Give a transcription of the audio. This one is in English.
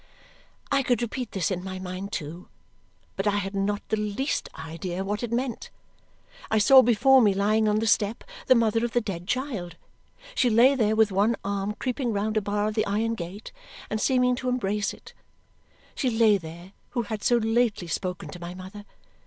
I could repeat this in my mind too, but I had not the least idea what it meant. I saw before me, lying on the step, the mother of the dead child. She lay there with one arm creeping round a bar of the iron gate and seeming to embrace it. She lay there, who had so lately spoken to my mother.